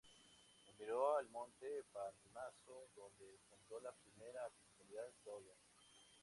Emigró al monte Parnaso donde fundó la primera comunidad doria.